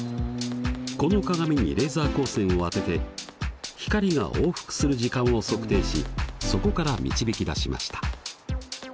この鏡にレーザー光線を当てて光が往復する時間を測定しそこから導き出しました。